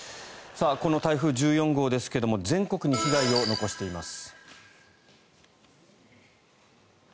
この台風１４号ですが全国に被害を残しています。